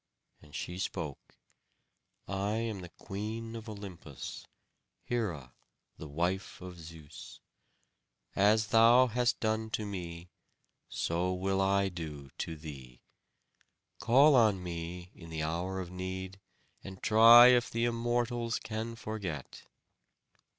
And she spoke: "I am the Queen of Olympus, Hera the wife of Zeus. As thou hast done to me, so will I do to thee. Call on me in the hour of need, and try if the Immortals can forget."